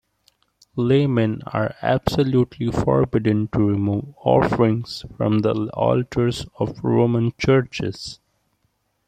Laymen are absolutely forbidden to remove offerings from the altars of Roman churches.